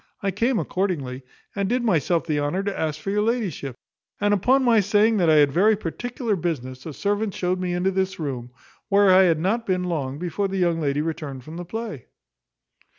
I came accordingly, and did myself the honour to ask for your ladyship; and upon my saying that I had very particular business, a servant showed me into this room; where I had not been long before the young lady returned from the play."